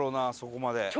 あそこまで。